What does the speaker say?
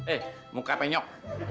eh muka penyok